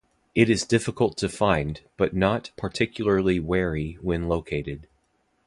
It is difficult to find, but not particularly wary when located.